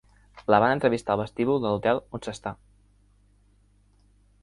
La van entrevistar al vestíbul de l'hotel on s'està.